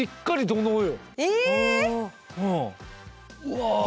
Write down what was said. うわ。